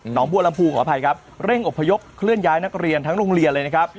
งบัวลำพูขออภัยครับเร่งอบพยพเคลื่อนย้ายนักเรียนทั้งโรงเรียนเลยนะครับ